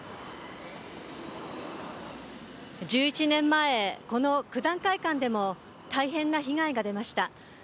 １１年前、この九段会館でも大変な被害が出ました。